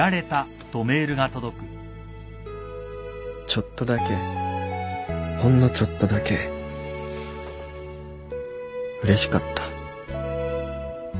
ちょっとだけほんのちょっとだけうれしかった